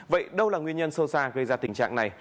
vậy đâu là nguyên nhân sâu xa gây ra tình trạng này